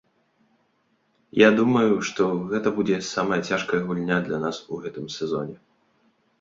Я думаю, што гэта будзе самая цяжкая гульня для нас у гэтым сезоне.